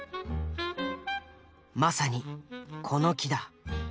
まさにこの木だ。